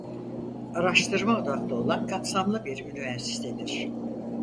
Araştırma odaklı olan kapsamlı bir üniversitedir.